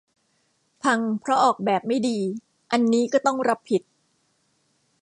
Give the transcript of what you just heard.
พังเพราะออกแบบไม่ดี อันนี้ก็ต้องรับผิด